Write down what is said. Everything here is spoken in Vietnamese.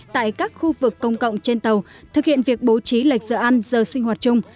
tại các khu vực công cộng trên tàu thực hiện việc bố trí lệch giờ ăn giờ sinh hoạt chung